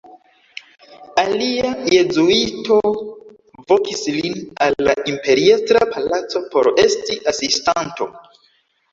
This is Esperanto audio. Alia jezuito vokis lin al la imperiestra palaco por esti asistanto.